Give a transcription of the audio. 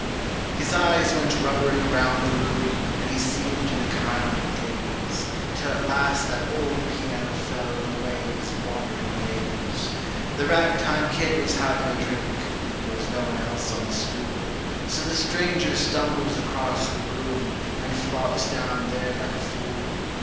His eyes went rubbering round the room, and he seemed in a kind of daze, Till at last that old piano fell in the way of his wandering gaze. The rag time kid was having a drink; there was no one else on the stool, So the stranger stumbles across the room, and flops down there like a fool.